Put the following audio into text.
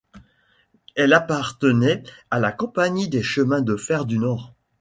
Elle appartenait à la Compagnie des Chemins de fer du Nord.